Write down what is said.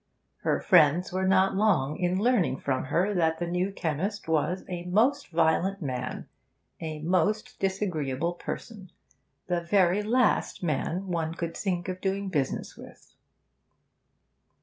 Her friends were not long in learning from her that the new chemist was a most violent man, a most disagreeable person the very last man one could think of doing business with.